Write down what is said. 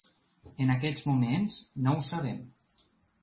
En aquests moments, no ho sabem.